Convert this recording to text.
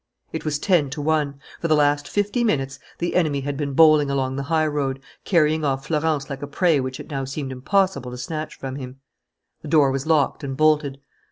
It was ten to one. For the last fifty minutes the enemy had been bowling along the highroad, carrying off Florence like a prey which it now seemed impossible to snatch from him. The door was locked and bolted.